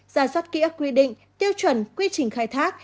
giải soát kỹ ức quy định tiêu chuẩn quy trình khai thác